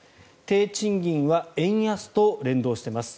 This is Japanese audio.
低賃金は円安と連動しています。